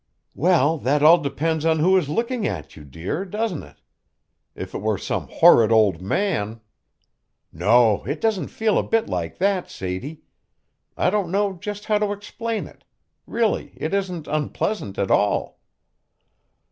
"Well, that all depends on who is looking at you, dear, doesn't it? If it were some horrid old man" "No, it doesn't feel a bit like that, Sadie. I don't know just how to explain it really it isn't unpleasant at all."